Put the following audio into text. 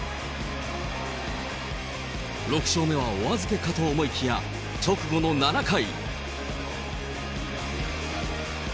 ６勝目はお預けかと思いきや、直後の７回。